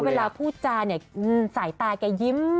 เวลาพูดจาเนี่ยสายตาแกยิ้ม